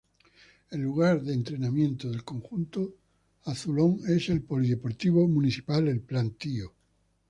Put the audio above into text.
El lugar de entrenamiento del conjunto azulón es el Polideportivo Municipal El Plantío.